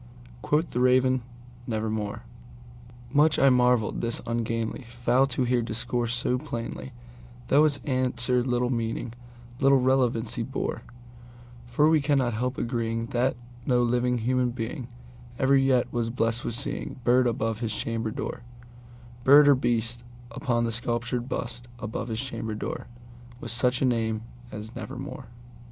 Quoth the Raven, "Nevermore."Much I marvelled this ungainly fowl to hear discourse so plainly, Though its answer little meaning—little relevancy bore; For we cannot help agreeing that no living human beingEver yet was blessed with seeing bird above his chamber door, Bird or beast upon the sculptured bust above his chamber door, With such name as "Nevermore."